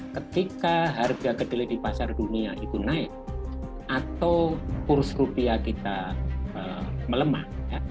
ketika harga kedelai di pasar dunia itu naik atau kurs rupiah kita melemah